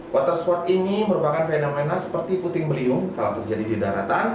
water sport ini merupakan fenomena seperti puting beliung kalau terjadi di daratan